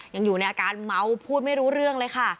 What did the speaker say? ยังอยู่ในอาการเมาพูดไม่รู้เรื่องเลยค่ะ